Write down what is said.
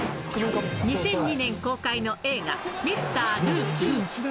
２００２年公開の映画、ミスター・ルーキー。